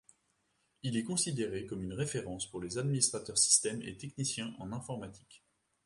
Il est considéré comme une référence pour les administrateurs système et techniciens en informatique.